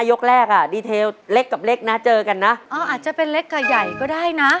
ยกแรกอ่ะดีเทลเล็กกับเล็กนะเจอกันนะอ๋ออาจจะเป็นเล็กกับใหญ่ก็ได้นะ